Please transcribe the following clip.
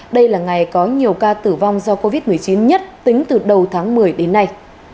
đây là ngày có nhiều ca tử vong do covid một mươi chín nhất tính từ đầu tháng một mươi đến nay